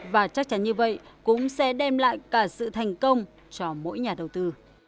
và chắc chắn như vậy cũng sẽ đem lại cả sự thành công cho mỗi nhà đầu tư